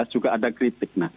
juga ada kritik